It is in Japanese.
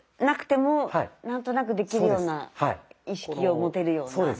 なくても何となくできるような意識を持てるような。